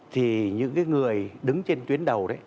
thì những cái người đứng trên tuyến đầu